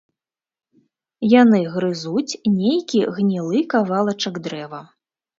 Яны грызуць нейкi гнiлы кавалачак дрэва...